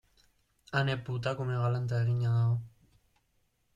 Ane putakume galanta eginda dago.